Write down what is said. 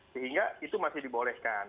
sehingga itu masih dibolehkan